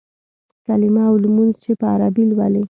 کلیمه او لمونځ چې په عربي لولې.